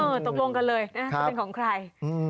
เออตกลงกันเลยเป็นของใคร